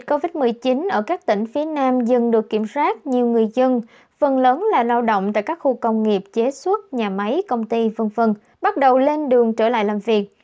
covid một mươi chín ở các tỉnh phía nam dần được kiểm soát nhiều người dân phần lớn là lao động tại các khu công nghiệp chế xuất nhà máy công ty v v bắt đầu lên đường trở lại làm việc